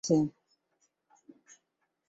নিঃসন্দেহে এতে একটি নিদর্শন রয়েছে।